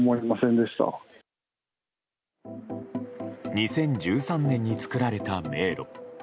２０１３年に作られた迷路。